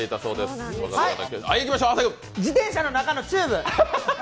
自転車の中のチューブ？